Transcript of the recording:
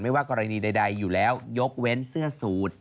ว่ากรณีใดอยู่แล้วยกเว้นเสื้อสูตร